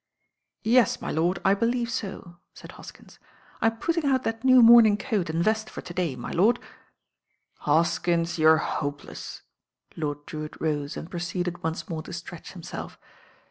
"Yes, my lord, I believe so," said Hoskins, "I'm putting out that new moming<oat and vest for to day, my lord." "Hoskins, you're hopeless." Lord Drewitt rose and proceeded once more to stretch himself.